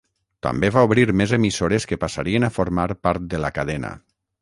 També va obrir més emissores que passarien a formar part de la cadena.